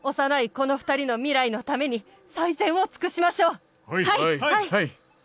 この２人の未来のために最善を尽くしましょうはい